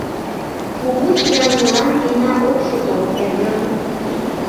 — Кугу сӱанжылан вийна ок шуто, эргым.